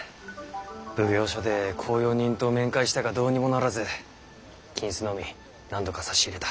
奉行所で公用人と面会したがどうにもならず金子のみ何度か差し入れた。